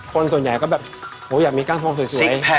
คนส่วนใหญ่ก็แบบอยากมีกล้ามทองสวย